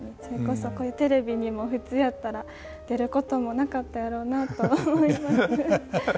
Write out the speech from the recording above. それこそこういうテレビにも普通やったら出ることもなかったやろうなと思います。